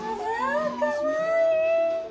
あかわいい！